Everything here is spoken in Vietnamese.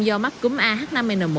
do mắc cúm ah năm n một